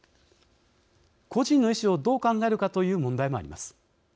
故人の意思をどう考えるかという問題もあります。